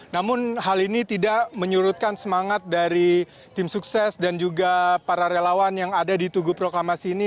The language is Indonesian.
namun hal ini tidak menyurutkan semangat dari tim sukses dan juga para relawan yang ada di tugu proklamasi ini